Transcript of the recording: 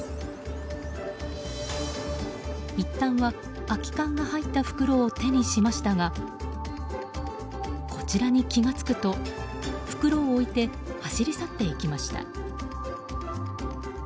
いったんは空き缶が入った袋を手にしましたがこちらに気が付くと袋を置いて走り去っていきました。